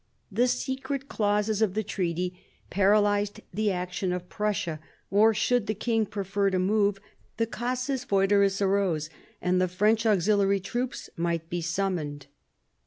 The secret clauses of the treaty paralysed the action of Prussia; or, should the king prefer to move, the casus foederis arose, and the French auxiliary troops might be summoned.